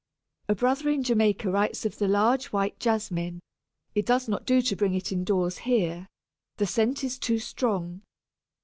A brother in Jamaica writes of the large white Jasmine: "It does not do to bring it indoors here; the scent is too strong.